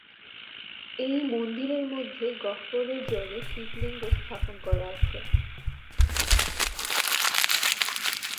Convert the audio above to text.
এই মন্দিরের মধ্যে গহ্বরের জলে শিবলিঙ্গ স্থাপন করা আছে।